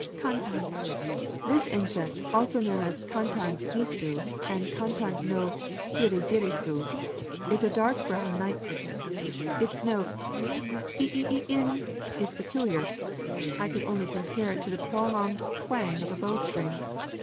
Kantan. This insect also called kantan gisu, and kantan no kirigirisu, is a dark brown night cricket. Its note "zi ï ï ï in" is peculiar: I can only compare it to the prolonged twang of a bow string.